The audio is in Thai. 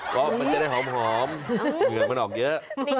เหมือนเวลาจะกลับบ้านที่ไรปะแป้งตลอด